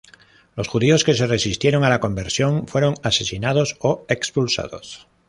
Los judíos que se resistieron a la conversión fueron asesinados o expulsados.